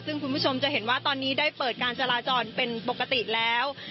ซึ่งคุณผู้ชมจะเห็นว่าตอนนี้ได้เปิดการจราจรเป็นปกติแล้ว